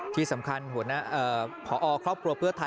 ได้ข่าวว่าที่นี่มือขวาประวิษฐ์